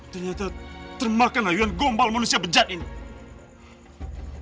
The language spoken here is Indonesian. ternyata termakan layuan gombal manusia bejat ini